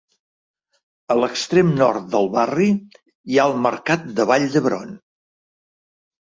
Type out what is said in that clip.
A l'extrem nord de barri hi ha el Mercat de Vall d'Hebron.